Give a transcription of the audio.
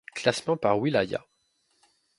Classement par wilaya.